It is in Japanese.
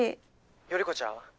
頼子ちゃん。